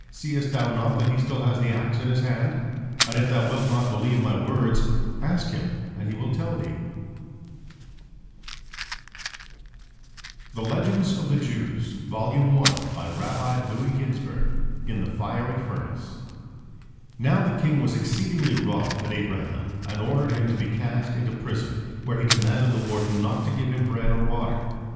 Seest thou not that he still has the axe in his hand? And if thou wilt not believe my words, ask him and he will tell thee." IN THE FIERY FURNACE Now the king was exceedingly wroth at Abraham, and ordered him to be cast into prison, where he commanded the warden not to give him bread or water.